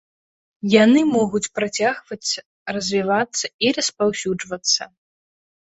Яны могуць працягваць развівацца і распаўсюджвацца.